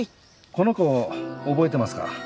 この子覚えてますか？